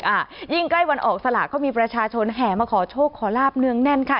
อ่ายิ่งใกล้วันออกสลากก็มีประชาชนแห่มาขอโชคขอลาบเนื้องแน่นค่ะ